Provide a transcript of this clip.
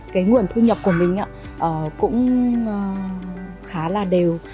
cái nguồn thu nhập của mình cũng khá là đều